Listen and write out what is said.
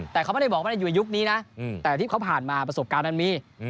แต่เขาไม่ได้บอกไม่ได้อยู่ยุคนี้นะแต่อาทิตย์เขาผ่านมาประสบการณ์มันมี